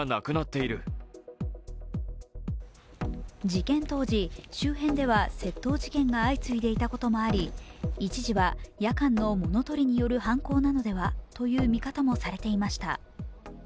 事件当時、周辺では窃盗事件が相次いでいたこともあり一時は夜間の物取りによる犯行なのではという見方もされていました。